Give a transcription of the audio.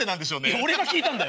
俺が聞いたんだよ。